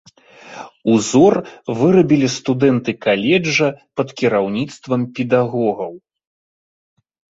Узор вырабілі студэнты каледжа пад кіраўніцтвам педагогаў.